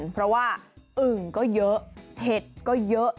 เพราะว่าอึ่งก็เยอะเห็ดก็เยอะ